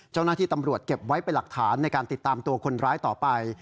เจ้าหน้าที่ตำรวจเก็บไว้เป็นหลักฐานในการติดตามตัวคนร้ายต่อไป